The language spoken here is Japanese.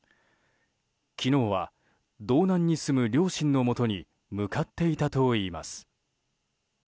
昨日は、道南に住む両親のもとに向かっていたといいます。